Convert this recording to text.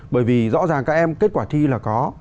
bởi vì rõ ràng các em kết quả thi là có